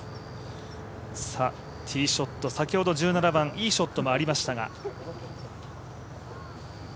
ティーショット先ほど１７番いいショットもありましたが。